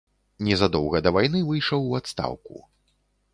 Незадоўга да вайны выйшаў у адстаўку.